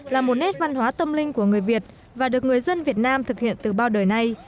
là một nét văn hóa tâm linh của người việt và được người dân việt nam thực hiện từ bao đời nay